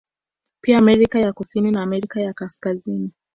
Pia Amerika ya kusini na Amerika ya Kaskazini